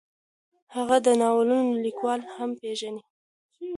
هغه د ناولونو لیکوالان هم پېژني.